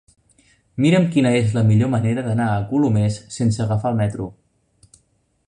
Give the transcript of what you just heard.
Mira'm quina és la millor manera d'anar a Colomers sense agafar el metro.